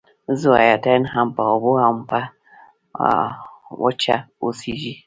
ذوحیاتین هم په اوبو او هم په وچه اوسیږي